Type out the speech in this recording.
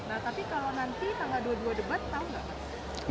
nah tapi kalau nanti tanggal dua puluh dua debat tahu nggak mas